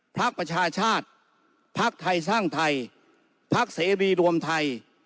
พักประชาชาติภักดิ์ไทยสร้างไทยพักเสรีรวมไทย